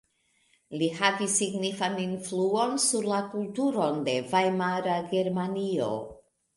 Li havis signifan influon sur la kulturon de Vajmara Germanio.